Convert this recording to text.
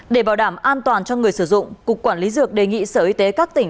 để bảo đảm an toàn cho người sử dụng cục quản lý dược đề nghị sở y tế các tỉnh